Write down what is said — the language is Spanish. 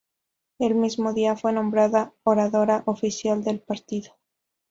El mismo día, fue nombrada oradora oficial del partido.